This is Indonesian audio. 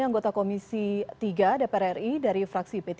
anggota komisi tiga dpr ri dari fraksi p tiga